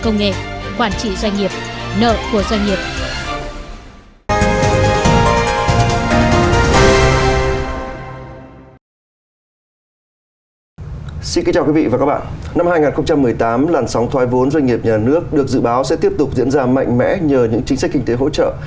năm hai nghìn một mươi tám làn sóng thoái vốn doanh nghiệp nhà nước được dự báo sẽ tiếp tục diễn ra mạnh mẽ nhờ những chính sách kinh tế hỗ trợ